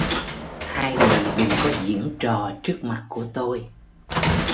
Hai người đừng có diễn trò trước mặt của tôi